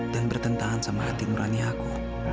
dan bertentangan sama hati nurani aku